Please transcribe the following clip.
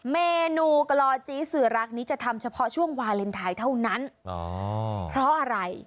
เมนูกลอจี้สื่อรักนี้จะทำเฉพาะช่วงวาเลนไทยเท่านั้นอ๋อเพราะอะไร